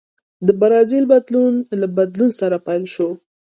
د برازیل بدلون له بدلون سره پیل شو.